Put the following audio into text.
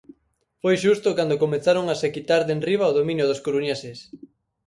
Foi xusto cando comezaron a se quitar de enriba o dominio dos coruñeses.